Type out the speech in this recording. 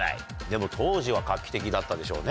でも当時は画期的だったでしょうね。